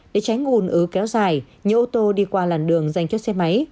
để tránh ủn ứ kéo dài nhiều ô tô đi qua làn đường dành cho xe máy